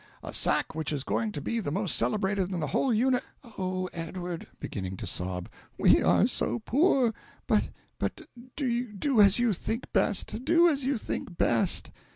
a sack which is going to be the most celebrated in the whole Uni ") Oh, Edward (beginning to sob), we are so poor! but but do as you think best do as you think best."